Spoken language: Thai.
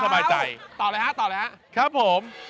ต่อครับต่อเลยฮะต่อแล้วฮะครับผม